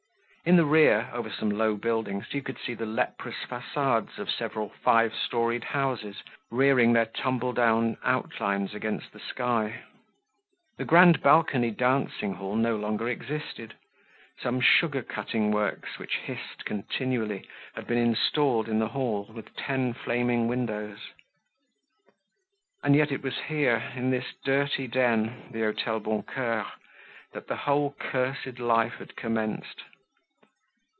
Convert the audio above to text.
In the rear, over some low buildings, you could see the leprous facades of several five storied houses rearing their tumble down outlines against the sky. The "Grand Balcony" dancing hall no longer existed; some sugar cutting works, which hissed continually, had been installed in the hall with the ten flaming windows. And yet it was here, in this dirty den—the Hotel Boncoeur—that the whole cursed life had commenced.